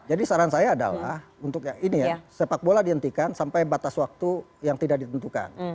jadi saran saya adalah untuk yang ini ya sepak bola dihentikan sampai batas waktu yang tidak ditentukan